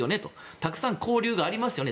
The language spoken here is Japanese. たくさん交流がありますよね。